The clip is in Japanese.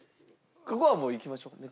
ここはもういきましょう。